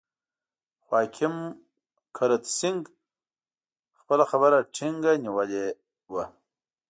خو حکیم کرت سېنګ خپله خبره ټینګه نیولې وه.